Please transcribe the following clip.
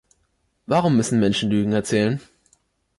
Warum müssen Menschen Lügen erzählen?